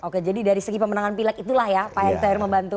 oke jadi dari segi pemenangan pilek itulah ya pak erick thohir membantu